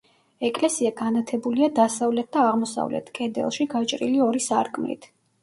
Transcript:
ეკლესია განათებულია დასავლეთ და აღმოსავლეთ კედელში გაჭრილი ორი სარკმლით.